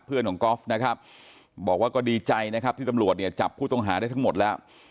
เพื่อนของกอล์ฟนะครับบอกว่าก็ดีใจนะครับที่ตำรวจเนี่ยจับผู้ต้องหาได้ทั้งหมดแล้ว